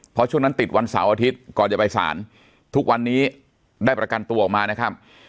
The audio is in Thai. เพราะช่วงนั้นติดวันเสาร์อาทิตย์ก่อนจะไปสารทุกวันนี้ได้ประกันตัวออกมานะครับ